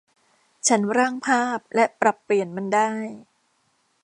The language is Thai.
ฉันร่างภาพและปรับเปลี่ยนมันได้